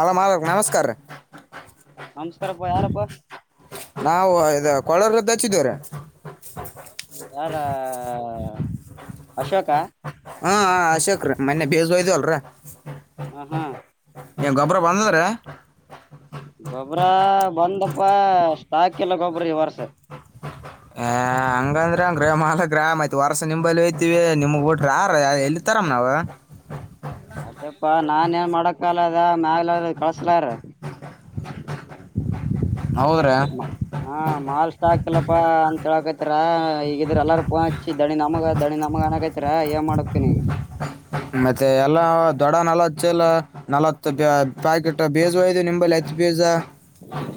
ಅಲ ಮಾ ನಮಸ್ಕಾರ ನಮಸ್ಕಾರಪ್ಪ ಯಾರಪ್ಪ ನಾವು ಇದ ಕೊಳಾರದ್ದ ಹಚ್ಚಿದೇವ್ರ ಯಾರ ಅಶೋಕ ಹಾ ಅಶೋಕ್ರ ಮೊನ್ನೆ ಬೇಜಯ್ದ ಅಲ್ರ ಹಾ ಹಾ ಬಂದದ್ರಿ ಗೊಬ್ಬ್ರ ಬಂದಪ್ಪ ಅಷ್ಟ ಹಾಕಲ್ಲ ಗೊಬ್ಬ್ರ ಈ ವರ್ಷೆ ಹ ಹಂಗಂದ್ರ ಅಂಗ್ರ ಮಾಲ ಗ್ರಾಮ್ ಆಯ್ತ್ ವರ್ಸ ನಿಂಬಲ್ಲಿ ಹಯ್ತಿವಿ ನಿಮಗ್ ಊಟ್ರ ಯಾರ ಎಲ್ಲಿತರ ನ ನಾವ ಹ್ಮ ಅದಪ್ಪಾ ನಾನ ಏನ್ ಮಾಡಕ್ಕಾಲ ಅದ ಮ್ಯಾಗಲೆ ಕಳ್ಸ್ಲ್ರ ಹೌದ್ರಿ ಹಾ ಮಾಲ್ ಾಕಲಪ್ಪ ಅಂತ ಹೇಳಕತಿರ ಈಗ ಇದ್ರ ಎಲ್ಲಾರ ಪ ಹಚ್ಚಿ ದಣಿ ನಮಗ ದಣಿ ನಮಗ ಅನಕೈತ್ರ ಎ ಮಡತಿನ ಮತ್ತೆ ಎಲ್ಲಾ ದೊಡ್ಡ ನಲವತ್ ಎಲ್ಲ ನಲವತ್ತು ಪ್ಯಾಕೆಟ್ ಬೇಜ್ ಇದು ನಿಂಬಲ್ಲಿ ಹಚ್ಚ ಗಜಾ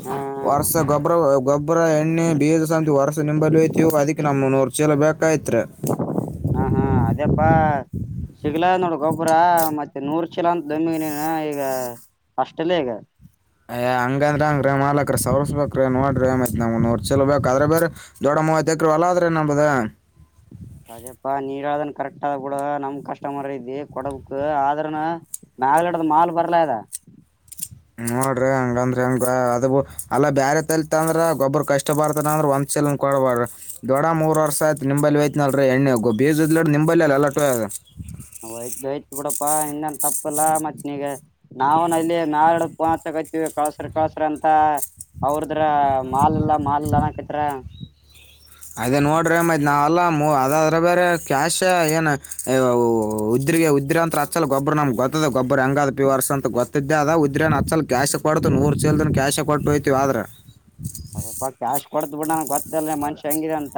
ಹಾ ವರ್ಷ ಗೊಬ್ರ ಗೊಬ್ಬರ ಎಣ್ಣೆ ಬೀಜ ಸಮತಿ ವರ್ಷ ನಿಂಬಲ್ಲಿ ಹಯತವು ಅದಕ್ಕೆ ನಮ್ ನೂರು ಚೀಲ ಬೇಕ ಕತೃ ಹಾ ಹಾ ಅದೇಪ್ಪಾ ಸಿಗ್ಲ ನೋಡ ಗೊಬ್ಬರ ಮತ್ತೆ ನೂರ್ ಚಲ ಅಂತ ದಮಿ ನೀನು ಈಗ ಅಷ್ಟಲ್ಲಗ ಅಯ್ ಹಂಗಂದ್ರ ಹಂಗ್ರೀ ಮಾಲಕ್ರ ಸವರ್ಸ್ಬೇಕ್ರೀ ನೋಡ್ರಿ ಮತ್ತ ನಮ್ ನೂರು ಚಲ ಬೇಕ ಆದ್ರೆ ಬೇರೆ ದೊಡ ಮೂವತ್ ಎಕರು ಅಲ್ಲ ಆದ್ರೆ ನಂಬದ ಅದ್ಯಪ್ಪಾ ನೀದನ್ ಕರೆಕ್ಟ್ ಆದ ಬಿಡ ನಮ್ ಕಸ್ಟಮರ್ ಇದಿ ಕೊಡಕ್ ಆದ್ರನ ಮಾಗಲಿಡದ ಮಾಲ್ ಬರ್ಲಾ ಇದ ನೋಡ್ರಿ ಹಂಗಂದ್ರ ಹೆಂಗ ಅದು ಅಲ್ಲ ಬೇರೆ ತಲತ್ ಅಂದ್ರ ಗೊಬ್ಬ್ರ ಕಷ್ಟ ಬರ್ತಾನ ಅಂದ್ರ ಒಂದ ಕೊಡ್ಬಾರ್ರ ದೊಡ ಮೂರ್ ವರ್ ಆಯತು ನಿಂಬಲ್ಲಿ ಆಯತನಲ್ರಿಎಣ್ಣೆ ಬೀಜದ್ಡ್ ನಿಂಬಲ್ ಅಲಟ್ ಒಯ್ತು ಯ್ತು ಬಿಡಪ್ಪಾ ಇನ್ನನ್ ತಪ್ಪಲ್ಲಾ ಮತ್ನಗ ನಾವನ್ಲ್ ನಾಡು ಪೋಗತವಿ ಕಳಸ್ರ ಕಳಸ್ರ ಅಂತ ಅವ್ರದ್ರ ಮಾಲ್ ಇಲ್ಲ ಮಾಲ್ ಇಲ್ಲಾನ ಕತ್ರ್ರ ಅದೇ ನೋಡ್ರಿತ್ ನಾವೆಲ್ಲ ಅದಾದ್ರೆ ಬೇರೆ ಕ್ಯಾಶ ಏನ್ ಉ ರಿಗೆ ಉದ್ರಾಂತರ ಅಚ್ಚಲ ಗೊಬರ ನಮ ಗೊದ ಗಬ್ಬ ಹೆಂಗ ಪಿ ವರ್ಸ್ ಅಂತ ಗೊತ್ತಿದ್ದೆ ಅದ ಇದ್ರ ಕ್ಯ ಕೊಡು ನೂರು ಚದ ಕ್ಯಾಶ ಕೊಟ್ಟು ಹೋಗ್ತೀವಿ ಆದ್ರೆ ಅ ಕ್ಯಾಶ್ ಕೊಡ್ತ ಬಿಡನ ಗೊತ್ತಲ್ ಮ ಹಂಗಿದೆ ಅಂತ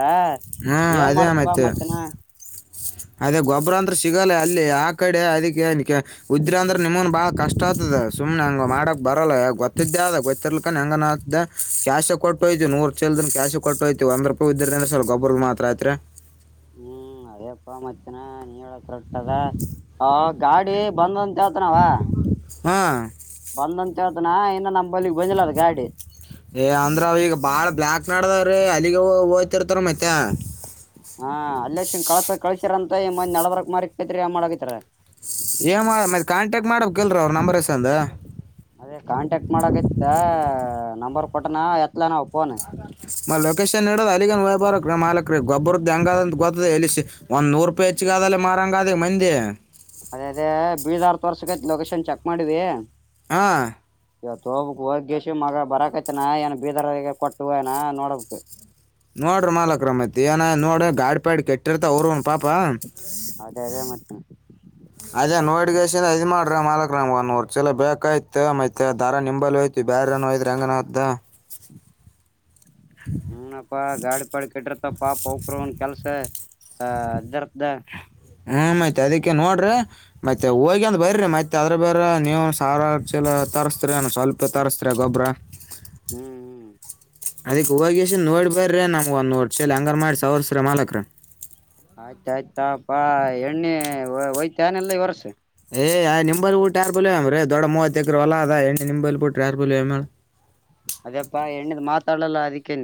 ಹ್ಞೂ ಏನ್ ಅದೇ ಮಾಡ್ತ್ವಾ ಮತ್ತೆ ಮಧ್ಯಾನ ಅದೇ ಗೊಬ್ಬ್ರ ಅಂದ್ರೆ ಸಿಗಲ್ಲ ಅಲ್ಲಿ ಆ ಕಡೆ ಅದಕ್ಕೆ ಉದ್ರ ಅಂದ್ರೆ ನಿಮ್ಮನ್ ಬಾಳ ಕಷ್ಟ ಆಗ್ತದ ಸುಮ್ನೆ ಹೆಂಗ ಮಾಡಕ್ ಬರಲ್ಲ ಗೊತ್ತಿದ್ದೆ ಅದ ಗೊತ್ತಿರ್ಲಕ ಹೆಂಗ ಕ್ಯಾಶ ಕೊಟ್ಟುಯ್ ನೂರ್ ಲ್ದ ಕ್ಯಾಶ ಕಟ್ಟೋಯಐತಿ ಒಂದ ರೂಪಾಯಿ ವಿದ್ಯ ನಡೆಸಲ್ ಗೊಬರಿಗೆ ಮಾತ್ರಯಐತ್ರಿ ಹ್ಮ್ ಅದೇಪ್ಪಾ ಮತ್ತನಾ ನೀ ಹೇಳೊಟ್ಟದ ಗಾಡಿ ಬಂದಂತ ಹೇಳ್ತನವಾ ಹಾಂ ಬಂದಂತ ಹೇಳ್ತನ ಇನ್ನು ನ ಏ ಅಂದ್ರ ಅವ ಈಗ ಬಾಳ ಬ್ಲ್ಯಾಕ್ ನಡದಾವ್ರೀ ಅಲ್ಲಿಗೆ ಹೋಗ್ತಿರ್ತಾರ ಮತ್ತೆ ಹಾ ಅಲ್ಲನ್ ಕಳ್ಸ ಕಳಸರಂತ ಮ ನಡಬರ್ಕ್ ಮಾರಿ ತ್ರಿ ಮಾಡಕತಾರ ಏ ಮಾಡ ಮತ್ತ ಕಾಂಟ್ಯಾಕ್ಟ್ ಮಾಡಕ್ ಕಲ್ರ ಅವ್ರ ನಂಬರ್ ಎಷ್ಟ ಅಂದ ಅದೇ ಕಾಂಟ್ಯಾಕ್ಟ್ ಮಾಡಕ ಇತ್ ನಂಬರ್ ಕೊಟ್ಟನಾ ಎತ್ತಲ ನಾವ ಫೋನ್ ಮ ಲೊಕೇಶನ್ ಇಡೋದ ಅಲ್ಲಿಗನ್ ವಯ್ಬಾರ ಮಾಲಕ ರ ಗೊಬರದ್ದಂಗಾದ ಅಂತ ಗೊತ್ತದ ಎಲ್ಲಿ ಒಂದ್ ನೂರು ರೂಪಾಯಿ ಹೆಚ್ಚಗದಲ್ಲ ಮಾರಾಂಗ ಅದ ಮಂದಿ ಅದೇ ಅದೇ ಬೀಳದಾರ್ ತ ವರ್ಸಗೈತ್ ಲೊಕೇಶನ್ ಚೆಕ್ ಮಾಡಿವಿ ಹಾ ಇವ ತ ಹೋಬಕ್ ಹೋಗ್ಯೇಶ ಮಗ ಬರಕತ್ತನ ಏನ ಬೀದರ್ಗ ಕೊಟ್ಟ ಏನ ನೋಡಬೇಕ ನೋಡ್ರಿ ಮಾಲಕಕ್ ರ ಮತ್ ಏನ ನೋಡ್ರಿ ಗಾಡಿ ಪ್ಯಾಡಿ ಕೆಟ್ಟಿರ್ತ ಅವ್ರ ಪಪ ಅದೇ ಅದೇ ಮತ್ತೆ ಅದ ನೋಮಾಡ ಅ ಮಾಲ್ಕ ರ್ ಒಂದೂರ್ ಚಲ ಬೇಕಾಯ್ತ ಮೈ ದಾರ ನಿಂಬಲ್ ಯ್ತ್ ಬೇರೆಏಯ್ರ ಹಂಗನ್ದ ಹನಪ್ಪಾ ಗಾಡಿ ಪಾಡಿ ಕಡ್ರತ ಪಾಪ ಅವಕರುನ್ ಕೆಲ್ಸ ಹ ಇರ್ ಹ್ಮಞ ಮತ್ ಅದಕ್ಕೆ ನೋಡ್ರರಿ ಮತ್ತೆ ಹೋಗಿ ಅಂದ ಬರರಿ ಮತ್ತೆ ಅದ್ರ ಬೇರೆ ನೀವು ಸಾರ ಚಲ ತರಿಸಸ್ತ್ರಾನ ಸ್ವಲ್ಪ ತರಿಸಸ್ತ್ರ ಗೊಬ್ಬ್ರ ಹ್ಮ್ ಅದಕ್ಕೆ ಹೋಗ ಎಸ ನೋಡಿ ಬರ್ರೀ ನಮ್ಗೆ ಒಂದು ಒೋಟ್ ಚಲ್ ಹ್ಯಂಗರ್ ಮಾಡಿ ಸ ಅವರ್ಸ್ರೀ ಮಾಲಕ್ ರೀ ಆಯ್ತ ಆಯ್ತಾಪಾ ಎಣ್ಣೆ ಒಯ್ತ ಏನೆಲ್ಲ ಇವರ್ಸ ಏನಿಂಬಲ್ ಬಿಟ್ಟ ಯಾರ್ ಬಲಮ್ರೀ ದೊಡ್ಡ ಮೂವತ್ತ ಎಕರು ಹೊಲ ಅದ ಎಣ್ಣ ನಿಂಬಲ್ ಬಿಟ್ಟ ಯಾರ್ ಬ ತಳಲ್ಲ ಅದಿಕೆ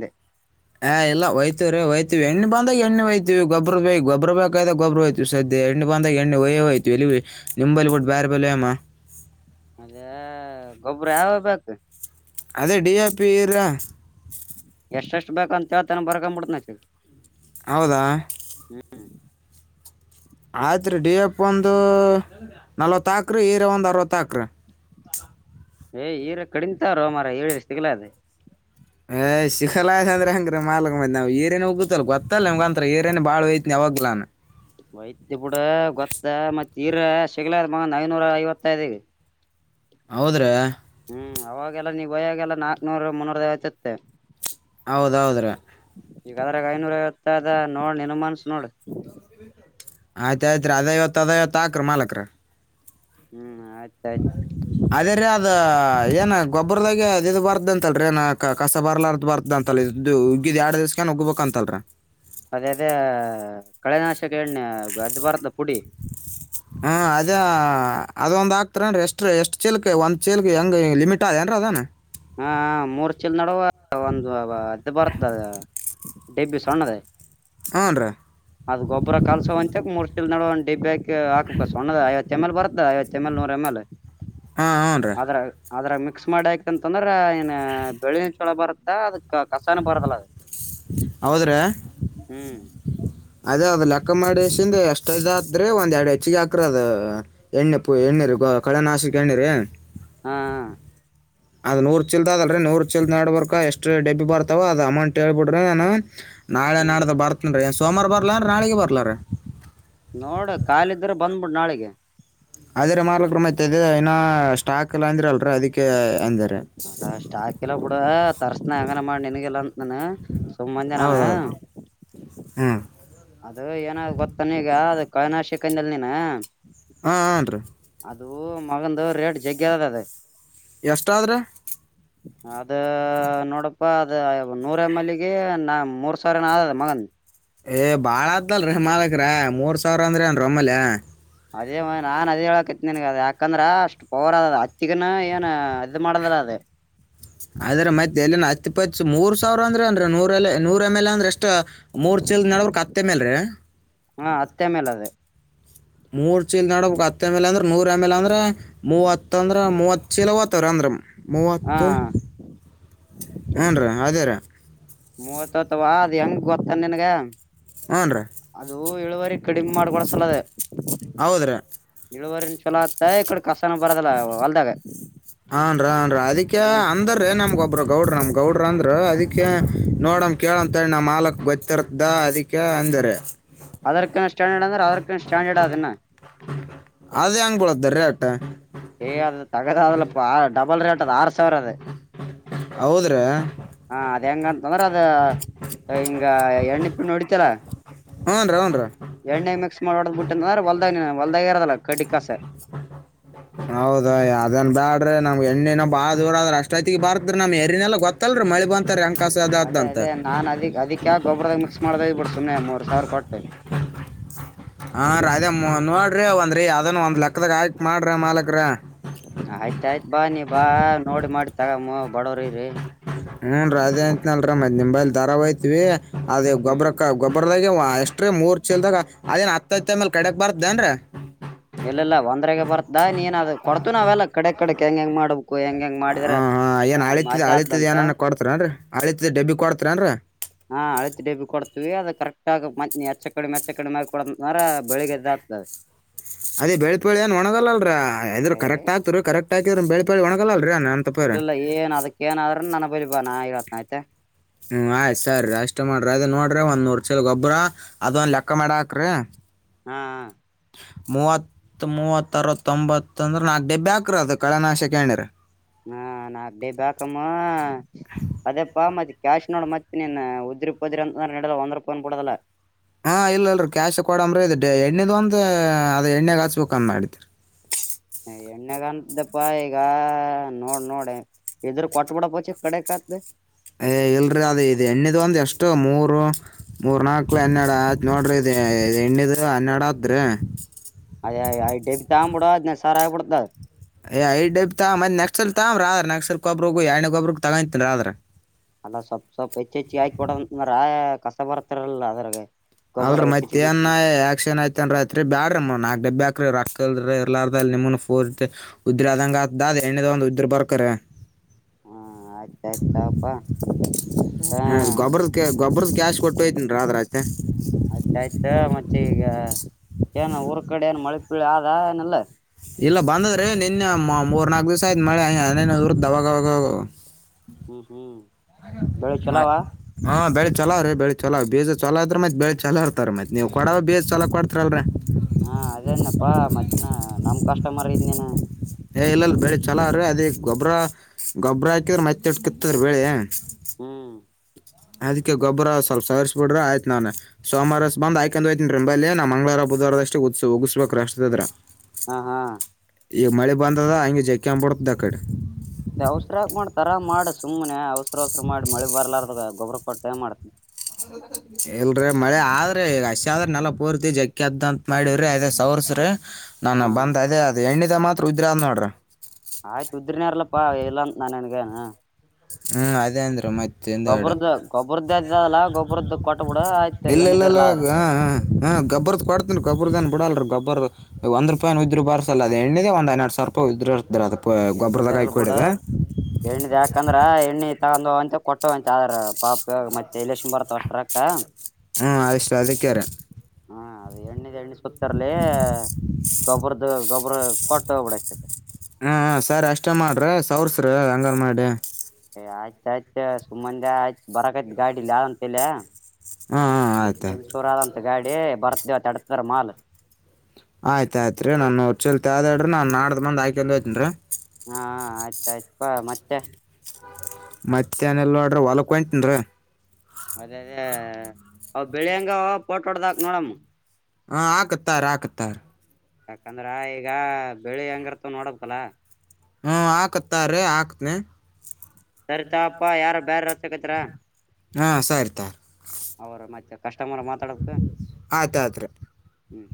ಹಾ ಇಲ್ಲ ಹಯ್ತವ ರೀಯ್ತವಿ ಎಣ್ಣ ಬಂದಾಗ ಎಣ್ಣೆ ಹಯ್ತಿವಿ ಗೊಬ ಬಗ್ ಗೊಬ್ಬ ಬೇಕ್ದಾಗ ಗೊಬ್ ಹಯ್ತವಿ ಸದ್ಯ ಎಣ್ಣ ಬಂದಾಗ ಎಣ್ಣು ವಯ ಹಯ್ವಿ ಇಲ್ಲಿ ನಿಂಬಲ್ಲಿ ಬಿಟ್ಟ ಬೇರೆ ಬೇ ಅಮ್ಮ ಅದೇ ಗೊಬ್ಬರ ಯಾವ ಬು ಅದೇ ಡಿಆರ್ಪಿ ಇರಾ ಎ ಎಷ್ಟು ಬೇಕ ಅಂತೇಳ್ತಾನ ಬರ್ಕೊಡತನ ಹೌದಾ ಆಯ್ತ್ರಿ ಡಿ ಎಫ್ ಒಂದು ನಲ್ವತ್ತ ಹಾಕ್ರಿ ಈರ ಒಂದ್ ಅರವತ್ತ ಹಾಕ್ರಿ ಏ್ ಈರ ಕಡಿಂತಾರ ಮಾರ ಏಳ ತಿಗ್ಲ ಅದ ಶಿಖಲಯ್ ಅಂದ್ರೆ ಹಂಗ್ರ ಮ ಮಾಲ್ಕ್ ಮ್ ನಾವ್ ಈರೇನ ಹೋಗಗುತ್ತಲ್ ಗೊತ್ತಲ್ಲ ನಿಮ್ಗಂತ್ರರ ಈರೇನ್ ಬಾಳ ಯ್ತಿ ಹೋಗಲಾನ ವೈದ್ಯ ಬಿುಡ ಗೊತ್ತ ಮತ್ತರ ಸಿಗ್ಲದ ಮ ಐನೂರ ಐವತ್ತಐದಿಗೆ ಹೌದ್ರೆ ಹ್ಮ್ ಅವಾಗೆಲ್ಲಾ ನೀವು ಬಯ್ಯಾಗೆಲ್ಲಾ ನಾಕ್ನೂರ್ ಮುನ್ನೂರವತುತ್ತೆ ಹೌದೌದ್ರಿ ಈಗ ಅದ್ರಾಗ ಐನೂರ ಐವತ್ತದ ನೋಡ್ ನಿನ್ಮನ್ಸ ನೋಡ್- ಆಯ್ತ ಆಯ್ತ್ರಿ ಅದೈವತ್ ಅದೈವತ್ ಆಕ್ರಿ ಮಾಲಕರ. - ಹ್ಮ್, ಆಯ್ತ, ಆಯ್ತಾ ಅದೇ ರೀ ಅದ ಏನ ಗೊಬ್ಬರದಾಗ ಇದು ಬರ್ದ ಅಂತಲ್ರಿ. ಏನ ಕಸ ಬರ್ಲಾದ ಅಂತ ಬರ್ತ ಅಂತಲ್ಲ ಇದು ಇ ಉಗ್ಗಿದ್ ಎರಡು ದಿವ್ಸಕ ಉಗ್ಬೇಕ ಅಂತಲ್ರಿ. ಅದೇ -ಅದೇ ಕಳೆನಾಶ ಅದು ಬರತದ ಪುಡಿ. ಅದೊಂದ್ ಆಕ್ತೀರೇನ್ರಿ, ಎಷ್ಟ್ -ಎಷ್ಟ್ ಚೀಲ್ಕ್ ಒಂದ ಚೀಲ್ಕ್ ಹೆಂಗ ಲಿಮಿಟ್ ಅದೇಏನ್ರಿ ಅದ. ನ ಹಾ, ಮೂರ್ ಚೀಲ ನಡುವ ಒಂದು ಅದು ಬರುತ್ತ ಅದ. ಡೆಬ್ಬಿ ಸಣ್ಣದ ಹ್ಞೂ ರೀ ಅದ್ ಗೊಬ್ಬರ ಕಲ್ಸ ಒಂತ ಮುರ್ಚಿಲ್ ನಡುವ ಡಿಬ್ಬ್ಯಾಕಿ ಹಾಕಪ ಸಣ್ಣದ ಐವತ್ತು ಎಮ್, ಎಲ್ ಬರತ್ತ ಐವತ್ತು ಎಮ್, ಎಲ್, ನೂರ್ ಎಮ್, ಎಲ್ ಹಾಂ ಹ್ಞೂ ರೀ ಆದದ್ರ ಅದ್ರಗ ಮಿಕ್ಸ್ ಮಾಡಿ ಆಕಿತಂತಂದ್ರ ಏನ್ ಬೆಳಿನ ಚೋಲಬರುತ್ತಾ ಅದ ಕಸಾನು ಪರದಿಲ್ಲ ಅ ಹೌದ್ರಿ ಹ್ಮ್, ಅದೇ ಅದ್ ಲೆಕ್ಕ ಮಾಡಿಗೆಸಿಂದಎಷ್ಟಾತದ್ರಿ, ಒಂದ್ ಎರಡು ಹೆಚ್ಚಿಗೆ ಹಾಕ್ರ ಅದ ಎಣ್ಣೆ ಪು ಎಣ್ಣಿ, ಕಳೆ ನಾಶಕ ಎಣ್ಣಿರಿ ಹ್ಮ್ [inaudible] ಅದ್ ನೂರು ಚೀಲ್ದ್ ಅದಲ್ರಿ ನೂರು ಚೀಲ್ ನಡ್ಬರ್ಕ್ ಎಷ್ಟು ಡಬ್ಬಿ ಬರ್ತಾವೋ ಅದು ಅಮೌಂಟ್ ಹೇಳ್ಬಿಡ್ರೆ ನಾನು ನಾಳೆ ಹ್ಮ್ ನಾಡ್ದೆ ಬರ್ತೇನ್ ರೀ ಏನ್ ಸೋಮಾರ ಬರ್ಲಾನ್ ನಾಳಿಗೆ ಬರ್ಲಾರೀ., ನೋಡ ಕಾಲಿದ್ರೆ ಬಂದ್ಬಿಡ್ ನಾಳಿಗೆ. ಅದೇ ರಿಮಾಲಕರ ಮತ ಅದೆಇನ ಸ್ಟಾಕ್ ಇಲ್ಲ ಅಂದ್ರ ಅಲ್ರರಿ ಅದಕ್ಕೆ ಅಂದಾರಿ. ಅಲ್ಲ ಸ್ಟಾಕ್ ಕಿಲ್ಲ ಬಿಡುವ ತರ್ಸಿತೀನ ಎಂಗನ ಮಾಡಿ ನಿನ್ಗೆಲ್ಲಂತ ನಾನ ಸುಮ ಅಂದ ನಾನ ಹ್ಮ್, ಅದು ಏನಾದ ಗೊತ್ತಾನ ಈಗ ಅದು ಕಳನಾ ಶಿಕಂದಲ್ ನೀನು ಹ ಹನ್ರಿೀ [unintelligible] ಅದು ಮಗಂದು ರೇಟ್ ಜಗ್ಗೆ ಅದದ ಅದ ಎಷ್ಟಾದ್ರಿ ಅದ ನೋಡಪ್ಪಾ ಅದ ನೂರ ಎಮ್ಮೆಲ್ಲಿಗೆ ನಾ ಮೂರ್ ಸಾವಿರನ ಆದದ ಮಗನ್ ಏಯ್ ಬಾಳ ಅತದ್ದಲ್ರಿ ಮಾಲಕ್ರ ಮೂರ್ ಸಾವಿರ ಅಂದ್ರಿ ಅಏನ್ಮ್ಮೋಲೆ. ಅದೇ ಮಗ ನಾನ್ ಅದೆಹೇಳಕತ್ ನಿನ್ಗಅ ಯಾಕಂದ್ರ ಅಷ್ಟ್ ಪವರ್ ಅದಾ. ಹತ್ತಿಗನ ಏನ್ ಇದ್ ಮಾಡದಿಲ ಅದ ಹ [inaudible] ಆದ್ರೆ ಮತ್ತೆ ಎಲ್ಲಿ ಹತ್ತುಪ್ಪತ್ ಮೂರ್ ಸಾವಿರ ಅಂದ್ರೆ ಅಂದ್ರ ನೂರ ನೂರ್ ಎಮ್ ಎಲ್ ಅಂದ್ರೆಷ್ಟ ಮೂರ್ ಚಲ್ ನಡವ್ರ ಕತ್ತೆ ಮೇಲ್ [unintelligible] ಹಾ, ಹತ್ತೆ ಎಮ್, ಎಲ್ ಅದೆ- ಮೂರ್ ಚೀಲ ನಡಬೇಕು ಹತ್ ಎಮ್, ಎಲ್ ಅಂದ್ರೆ, ನೂರ್ ಎಮ್, ಎಲ್ ಅಂದ್ರ ಮೂವತ್ತ ಅಂದ್ರೆ ಮೂವ ಚೀಲ ಅನ್ರ ಹಾ ಮೂವತ್ತು ಏನ್ರೀ ಅದೇ ರ [unintelligible] ಮೂವತ್ತ್ವಾ ಅದ್ ಹೆಂಗ ಗೊತ್ತಾನ ನಿನ್ಗ ಹ್ಞೂ ರೀ ಅದು ಇಳುವರಿ ಕಡಿಮೆ ಮಾಡ್ಕೊಳಸಲದ. ಹೌದ್ರಿ ಇಳುವರಿನುಚೋಲ ಆತ ಇ ಕ [unintelligible] ಹಾನ್ರಿ, ಹಾನ್ರಿ ಅದಕ್ಕೆ ನೀನ್ ಅಂದ್ರೀ ನಮ್ಗೊಬ್ಬ ಒಬ್ರು ಗೌಡ್ರ, ನಮ ಗೌಡ್ರ ಅಂದ್ರ ಅದಕ್ಕೆ ನೋಡಮ ಕೇಳಿ ನಮ್ ಮಾಲಕ್ ಗೊತ್ತಿರ್ತದ ಅದಿಕ ಅಂದಾರಿ. ಅದ್ರಿಕಿನ ಸ್ಟ್ಯಾಂಡರ್ಡ್ ಅಂದ್ರೆ ಅದ್ರಕಿನ ಸ್ಟ್ಯಾಂಡರ್ಡ್ ಅದನ್ನ [inaudible] ಅದ ಹೆಂಗ್ ಬುಳತದ ರೇಟ, ಏಯ್ ಅ ತಗದಾಗಲಪಡಬಲ್ ರೇಟ್ ಅದ ಆರ್ ಸಾವಿರ ಹೌದ್ರಿ, ಹಾ, ಅದ ಹೆಂಗಂತಂದ್ರೆ ಅದ ಹಿಂಗ ಎಣ್ಣಿ-ಪಿಣ್ಣಿ ಹೊಡಿತಲ. ಹ್ಞೂ ರೀ ಹ್ಞೂ ರೀ - ಹೆಣ್ಣಾಗಿ ಮಿಕ್ಸ್ ಮಾಡಿಬಿಟ್ಂದ್ರಹೋಲದಾಗೆ ಇದ್ದಿಲ್ಲ ಕಡ್ಡಿ -ಕಸ. ಹೌದಾ! ಯಾವ್ದನ್ ಬ್ಯಾಡ್ರಿ ನಮ್ಗೆಣ್ಣೆನ ಬಾಳದೂರಾದ್ರಿಅಷ್ಟ ಐತಿಗೆ ಬರತ್ ನಮ್ ನ್ನೆ [unintelligible] ಲ್ಲ ಗೊತ್ತಲ್ರಿ ಮಳಿ ಬಂತಂದ್ರಹೆಂಗಕಸದ್ದಂತ. ಕ್ಸ್ [unintelligible] ಮಾಡ್ದ್ ಬಿಟ್ಟ ಸುಮ್ನೆ ಮೂರ್ ಸಾವಿರ ಕೊಟ್ ಹಾ ರಾಧೆ ಮೊ- ನೋಡ್ರಿ ಒಂದ್ರಿ ಯಾವ್ದನ್ ಒಂದ್ ಲೆಕ್ಕದಾಗ ಹಾಕಿ ಮಾಡ್ರ ಮಾಲಕರ. ತಗ ಬಡವರ ರರಿ [inaudible] ಹ್ಮನ್ ರೀ ಅದೇಂತತ್ನಲ್ರ ಮ್ ನಿಂಬೈಲ್ ದಾರಾವ ಯತ್ವಿ ಅದ ಹ್ಮ್ ಗೊಬ್ರಕ್ಕ ಗೊಬರದಾಗ. ಅಷ್ಟ್ರೀ ಮೂರ್ ಚಲ್ದಾಗ ಅದೇನ್ ಹತ್ತೈತ್ತ ಮೇಲ್ ಕಡೆಕ್ ಬಾರ್ದೇನ್ರೀ. ಇಲ್ಲ ಇಲ್ಲ ಒಂದ್ರಾಗ ಬರ್ತ ನೀನ್ ಅದು ಕೊಡ್ತು ನಾವೆಲ್ಲ ಕಡೆ ಕಡೆಕ್ ಹೆಂಗ ಹೆಂಗ್ ಮಾಡಬೇಕು. ಹ ಹಾ ಏನ್ ಅಳತಿದ್ದ ಅಳಿತಿದ ಅದಾತದಂತ ಏನನ್ ಕೊಡ್ತಾರನ್ರರಿ ಅಳಿತಿದ್ದ ಡಬ್ಬಿ ಕೊಡ್ತಾರನ್ರರಿ. ಹಾ ಅಳಿತಿ ಡೇಬಿ ಕೊಡ್ತೀವಿ ಅದು ಕರೆಕ್ಟ್ ಆ ಮ ಎಚ್ಚ ಕಡಿಮೆ ಎಚ್ಚ ಕಡಿಮೆಿ ಕೊಡ್ರ ಬೆಳಿಗ್ಗೆದ. ಅೇ [inaudible] ಅದೇ ಬೆಳೆಪೇಳಿ ಏನ್ ಒಣಗಲ್ಲಲ್ರ ಅದ್ರರು ಏ ಕರೆಕ್ಟ್ ಆಾತರಿ ಕರೆಕ್ಟ್ ಹಾಕಿದ್ರ ಬೆಳ್ಪಳಿ ಒಣಗಲ್ಲಲ್. ಇಲ್ಲಿಲ್ಲ ಏನ್ ಅದಕ್ಕ ಏನಾದ್ರೂ ನನ್ನ ಬಲಿ ಬಾ ನಾ ಇರತ್ನ ಆಯ್ತೆ. ಹ್ಮ್ ಆಯ್ತ್ ಸರಿ ಅಷ್ಟ್ ಮಾಡ್ರಿ ಅದ ನೋಡ್ರಿ ಒಂದ್ ನೂರ್ ಚಲ ಗೊಬ್ಬ್ರ ಅದೊಂದು ಲೆಕ್ಕ ಮಾಡ ಹಾಕ್ರರಿ. ಹಾ ಹ. ಮೂವತ್ ಮೂವತ್ತ ಅರವತ್ತೊಂಬತ್ತ ಅಂದ್ರ ನಾ ಡೆಬ್ಬೆ ಹಕ್ರ ಅ ಕಳೆ ನಾಶಕ್ಕೆ ಣ್ರ. ಹಾ ನಾ ಅಕ್ಡೇ ಬಕಮ್ಮ ಅದೇ ಪಾ ಮತ್ತ ಕ್ಯಾಶ್ ನೋಡ ಮತ್. ನೀನ್ನ ಉದ್ರಿದ್ರಿ ಅಂತೆ ನಡಲ್ಲ ಒಂದ್ರಪ್ಪ ಬಿಡುದಲ್ಲ. ಹಾ ಇಲ್ಲಲ್ರರಿ ಕ್ಯಾಶ್ ಕೊಡಂಬ್ರ ಇದು ಎಣ್ಣೆದು ಒಂತ ಅದ ಎಣ್ಣೆ ಹಾಚ್ಬೇಕು ಅಂದ ಮಾಡಡತ್ರಿ. ಎಣಯಾಗಂತ್ದಪ್ಪಾ ಈಗ ನೋಡ್ ನೋಡ ಇದ್ರ ಕೊಟ್ಬಿಡ ಪಚಿ ಕಡೆಕ್ತ್. ಏ್ ಇಲ್ರರಿ ಅದೇ ಇದು ಎಣ್ಣಿದ್ ಒಂದ್ ಎಷ್ಟು ಮೂರು ಮೂರ್ ನಾಕ್ಲ್ ಎನ್ನೆಡು ಆಯ್ತ್ ನೋಡ್ರಿ ಇ. ಹೆಣ್ಣದು ಹನ್ನೆರಡು ಹ್ರ. ಅದೇ ಐಬಿ ತಗ ಬಿಡ ಅದನ್ನಸಾರ ಆಗಿಡ್ತ. ಏ ಐ ಡಬ್ಬ ತ ಮತ್ತತ್ ನೆಕ್ಸ್ಸಲ್ ತಗ ರಾ್ರ ನಕ್ಸ್ಸಲ್ ಕೊಬಗ ಎರಡ್ನಗ ಕೊಬರುಗ ತಗಂತನ್ ರಾ್ರ. ಅಲ್ಲ ಸ್ವಲ್ಪ್ ಕಷ್ಟ ಬರ್ತಾರಲ್ಲ ಅದ್ರಾಗಗೆ. ಅಲ್ರಿ ಮತ್ತತ್ ಏನ್ ಆಕ್ಕ್ಷಿನ್ ಆಯಐತೇನ್ರಿಯತ್ರಿ ಬೇ್ರಿ ನಾಕ್ ಡಬ್ಬೆ ಆ. ರಲ್ ಎ ನಿಮ ಫೋರ್ ಉದ್ರ ಆದದಂಗ ಅ ಎಣ್ಣದ ಒಂದ್ ಉದ್ರ ಬರ್ಕ್ರ. ಹಾ ಆಯ್ತ ಆಯ್ತಪ್ಪಾ. ಹಾ ಹಾಂ ಗೊಬ್ಬದ ಗೊಬ್ಬರದ ಕ್ಯಾಶ್ ಕೊಟ್ಟುೋಯ್ತೀನಿ ರಾ ಆದ್ರೆ ಅಷ್ಟೆ. ಆಯ್ತ ಆಯ್ತ ಮತ್ತೆ ಈಗ. ಏನ ಊರ್ ಕಡೆ ಏನು ಮಳೆ ಪಳಿ ಆದಏನಲ್ಲ. ಇಲ್ಲ ಬಂದದ್ರೆ ನಿನ್ನೆ ಮೂರ್ ನಾಕಕ್ ದಿವ್ಸ ಆಯ್ತ್ ಮಳೆ ಇರುದ್ದಾಗಾಗ. ಹ್ಮ್ ಹ್ಮ್ ಬೆಳಿ ಚಲೋವ ಹಾ ಬೆಳ ಚಲ ರೆ. ಬೆಳಿ ಚಲ ಬೀಜ ಚಲೋದ್ರ ಮತ್ ಬೆಳೆ ಚಲೋ ಇರ್ತ ಮತ್ ನೀ್ ಕೊಡ ಬೀಜ ಚಲಕ ಕೊಡ್ತಾರಲ್ರಿ. ಹಾ ಅದೇನಪ್ಪಾ ಮತ್ತನಾ ನಮ್ ಕಷ್ಟ ಮಾಡರ ಇದೇನ. ಏ ಇಲ್ಲಲ್ ಬೆಳಿ ಚಲ ಅ್ರೀ ಅದ ಗೊಬ್ಬರ ಗೊಬ್ಬ್ರ ಹಾಕಿದ್ರ ಮೈತ್ತ ಇಟ್ ಕತ್ತದೀ ಬೆಳೆ. ಹ್ಮ್ ಅದಕ್ಕೆ ಗೊಬ್ರ ಸ್ವಪ ಸವರಿಸ್ ಬಿ್ರ ಆಯ್ತ ನು ಸೋಮವಾರಸ್ ಬಂದ್ಯ್ಕ್ ಹಯ್ತೇನ್ ರಂಬಲ್ ನಾ ಮಂಗಲಾ ವಾ ಹಾರದಷ್ಟೇ ಉತ್ಸವ ಉಗಿಸಿಬೇಕು ರಾಷ್ಟ್ರದ ದ್ರ. ಹಾ ಹಾ. ಈಗ ಮಳಿ ಬಂದದ ಹಂಗಗೆ ಜಕಂಬ್ಬಿಡತದ ಆ ಕಡೆ. ಇ ಅವಸರಕ ಮಾಡ್ತರಾ ಮಾಡಿ ಸುಮ್ಮ್ನೆ ಅವಸ್ರ ಹ ಅವಸ್ರ ಮಾಡಿ ಮಳೆ ಬರ್ಲಾರ. ಗೊಬ್ಬರ ಕೊಟ್ಟೆ ಮಾಡ್ತನಿ. ಎಲ್ರ ಮಳೆ ಆದ್ರೆ ಹೇಗಷ್ಟ. [inaudible] [unintelligible] ಪೂರ್ತಿ ಜಕ್ಕೆ ಅದಂತ ಮಾಡಿರಿ ಅದೇ ಸೋರ್ಸ್ರಿ ಹಾ ನಾನ ಬಂದ್ ಅದೇ ಅದು ಎ [unintelligible] ಇದ ಮಾತ್ರ ಉದ್ರಾ ಅದ ನೋಡ್ರ ಆಯ್ತು ಉದ್ರನಾರಲಪ್ಪಾ ಎಲ್ಲಂತ ನಾನನ್ಗನ್ ಹ್ಮ್ ಅದೇ ಅಂದ್ರ ಮತ್ತೆ ಹಿಂದಗಡೆ ಗೊಬ್ರದ್ದ ಗೊಬ್ಬ್ರದ್ದ ಅದಲ್ಲ ಇಲ್ಲ ಇಲ್ಲ ಇಲ್ಲ ಆದ್ರ ಗಬ್ಬರದ [inaudible] ಕೊಡ್ತೀನ ಗಬ್ಬರದನ್ ಬಿಡಲರಿ ಗಬ್ಬರದ ಒಂದು ರೂಪಾಯ ಉದ್ರಿ ಬಾರ್ಸ ಅದೆ ಎನ್ನಿಗೆ ಒಂದ್ ಹನೆರಾಡ್ ಸಾವಿರ ಪ ಇದ್ರ ಇರ್ತ್ರ ಅದು ಗೊಬ್ಬರದಾಗ ಎಣ್ಣಿದಿರ್ಲ್ ಬಿಡ ಆಯ್ಕಡಿದೆ [unintelligible] [inaudible] ತ ಕೊಟ್ಟಂ ಆದ್ರ ಪಾಪ ಮತ್ತೆ ಇಲ [inaudible] ಬರತ್ ಅಷ್ಟ ರೊಕ್ಕ ಹ್ಮ ಅಷ್ಟು ಅದಕ್ಕೆ ರಿ ಹಾ ಅದು ಎಣ್ಣದ್ ಎಣ್ಣೆ ಸುತ್ತರ್ಲಿ ಗೊಬರದ ಗೊಬ್ಬ್ರ ಕೊಟ್ಟ ಹೋಗ್ಬಿಡ ಅಷ್ಟ ಹ್ಮ ಸರ್ ಅಷ್ಟೇ ಮಾಡ್ರಿ ಸೌರ್ಸ್ರಿ ಹಂಗಾರ ಮಾಡಿ ಹ್ಮ್ ಆಯ್ತ ಸುಮ್ಮಂದ ಆಯ್ತು ಬರಕಾಯತ್ ಗಾಡಿಲಿ ಇಲ್ಲಿ [unintelligible] ಅಂತಲ ಹ್ಮ್ ಆಯ್ತು ಆಯ್ತು ಲಿಂಗಸೂರ ಆದಂತ ಗಾಡಿ ಬರ್ತೇವ ತಡತರ [unintelligible] ಮಾಲ್ ನಾ ನಾಡ್ದ ಬಂದ ಆಯಕೋಯತನ ರಿ ಹಾ ಆಯ್ತ ಆಯ್ಪಾ ಮತ್ತೆ ಮತ್ತ ಏನೆಲ್ಲ ನೋಡ್ರಿ ಹೊಲ ಒಟಿನೀರಿ ಅದೇ ಅದೇ ಅವ ಬೆಳಿಂಗ ಪೋಟ್ ಹೊಡ್ದಾಕ್ ನೋಡಮ್ಮ ಹಾ ಹಾಕತಾರ ಹಾಕತಾರ ಯಾಕಂದ್ರ ಈಗ ಬೆಳಿ ಹೆಂಗರ್ತ ನೋಡಕ್ಲ್ಲ ಹ್ಮ ಹಾಕತ್ತಾರೀ ಹಾಕ್ನತನ್ ಸರಿತಪ್ಪಾ ಯಾರ ಬ್ಯಾರ ಹಚ್ಚಕತಿರ ಹಾ ಸರಿತ ಅವರ ಮತ್ತೆ ಕಷ್ಟಮರ್ ಮಾತಾಡಬೇಕ ಆಯ್ತು ಆಯ್ತು ರೀ ಹ್ಮ್